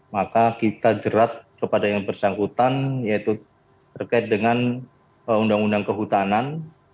maka kita jerat kepada yang bersangkutan yaitu terkait dengan undang undang kehutanan